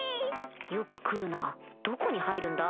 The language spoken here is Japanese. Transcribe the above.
よく食うなぁどこに入るんだ？